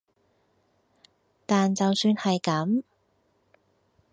但就算係咁